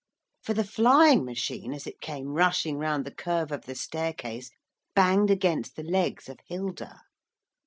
For the flying machine as it came rushing round the curve of the staircase banged against the legs of Hilda.